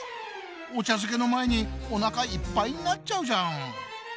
お茶漬けの前におなかいっぱいになっちゃうじゃん。